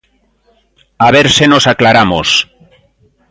¡A ver se nos aclaramos!